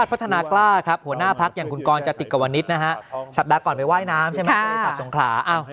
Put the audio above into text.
สัปดาห์ก่อนไปว่ายน้ำใช่ไหม